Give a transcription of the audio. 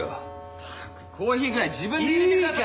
ったくコーヒーぐらい自分で入れてくださ。